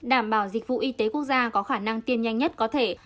đảm bảo dịch vụ y tế quốc gia có khả năng tiên nhanh nhất có thể